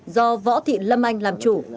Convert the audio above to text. do võ thị lâm anh làm chủ